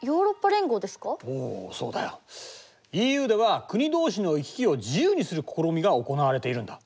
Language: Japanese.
ＥＵでは国どうしの行き来を自由にする試みが行われているんだ。